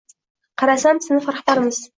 Qarasam, sinf rahbarimiz.